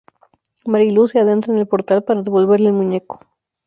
Mari Luz se adentra en el portal para devolverle el muñeco.